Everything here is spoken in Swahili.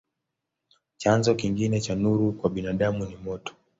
Chanzo kingine cha nuru kwa binadamu ni moto.